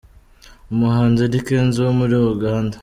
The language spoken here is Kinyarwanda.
Umuhanzi Eddy Kenzo wo muri Uganda.